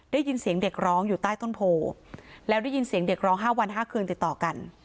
ได้ยินเสียงเด็กร้องอยู่ใต้ต้นโพแล้วได้ยินเสียงเด็กร้อง๕วัน๕คืนติดต่อกัน